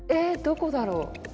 どこだろう。